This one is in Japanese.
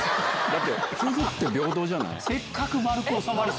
だって夫婦って平等じゃない。